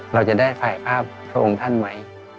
เราจะได้ถ่ายภาพพระองค์ท่านไว้